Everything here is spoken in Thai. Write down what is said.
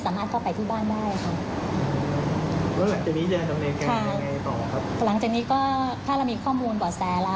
ต้องเข้าไปตรวจสอบข้อมูลก่อนนะครับ